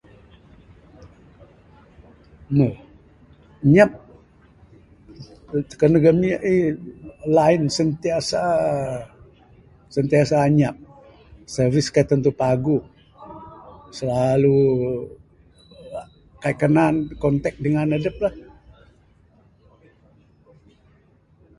meh, nyap kaneg ami aih line sentiasa, sentiasa anyap, service kaik tantu paguh, silalu a kaik kanan contact ngan bala dingan adep lah.